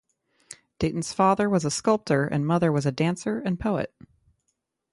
Dayton's father was a sculptor and mother was a dancer and poet.